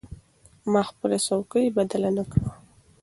ما خپله څوکۍ بدله نه کړه.